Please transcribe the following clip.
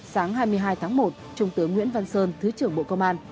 sáng hai mươi hai tháng một trung tướng nguyễn văn sơn thứ trưởng bộ công an